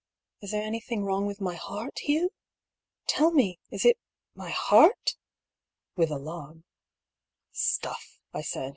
Is there anything wrong with my heart, Hugh! Tell me, is it my heart f " (with alarm). " Stuff !" I said.